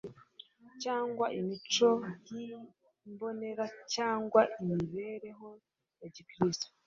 cyangwa imico y'imbonera cyangwa imibereho ya gikristo